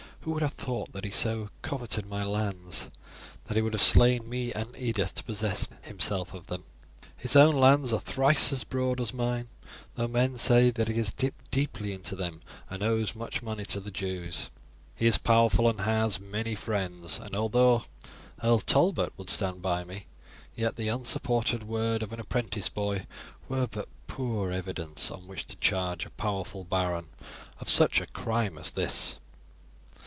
Who would have thought that he so coveted my lands that he would have slain me and Edith to possess himself of them? His own lands a thrice as broad as mine, though men say that he has dipped deeply into them and owes much money to the Jews. He is powerful and has many friends, and although Earl Talbot would stand by me, yet the unsupported word of an apprentice boy were but poor evidence on which to charge a powerful baron of such a crime as this.